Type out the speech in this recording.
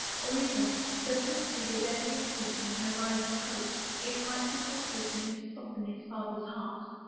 Or even, so swiftly did every instinct in her rise to hope, it might be possible for him to soften his father's heart.